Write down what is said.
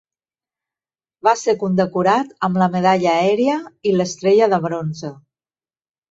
Va ser condecorat amb la Medalla Aèria i l'Estrella de Bronze.